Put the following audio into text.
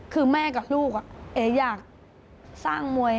คือแม่กับลูกเอ๋อยากสร้างมวย